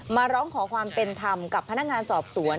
มาร้องขอความเป็นธรรมกับพนักงานสอบสวน